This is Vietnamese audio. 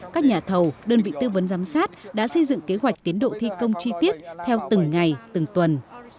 các nhà thầu đơn vị tư vấn giám sát đã xây dựng kế hoạch tiến độ thi công chi tiết theo từng ngày từng tuần